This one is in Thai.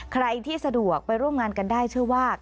ใครที่สะดวกไปร่วมงานกันได้เชื่อว่า